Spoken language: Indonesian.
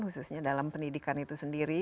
khususnya dalam pendidikan itu sendiri